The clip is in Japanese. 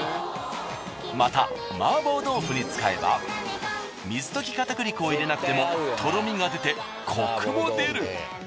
また麻婆豆腐に使えば水溶き片栗粉を入れなくてもとろみが出てコクも出る。